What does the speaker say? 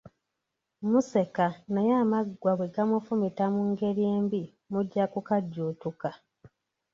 Museka naye amaggwa bwe gamufumita mu ngeri embi mujja kukajjuutuka.